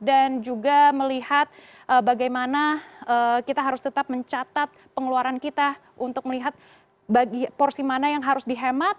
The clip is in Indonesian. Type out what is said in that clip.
dan juga melihat bagaimana kita harus tetap mencatat pengeluaran kita untuk melihat bagi porsi mana yang harus dihemat